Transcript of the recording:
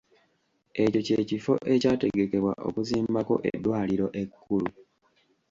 Ekyo ky'ekifo ekyategekebwa okuzimbako eddwaliro ekkulu.